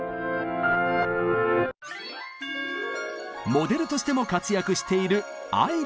モデルとしても活躍している愛理さん。